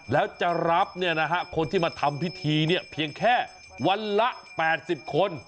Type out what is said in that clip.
แล้วจะรับเนี่ยนะฮะคนที่มาทำพิธีเนี่ยเพียงแค่วันละแปดสิบคน